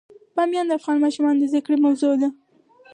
بامیان د افغان ماشومانو د زده کړې موضوع ده.